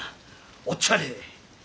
おっちゃれ。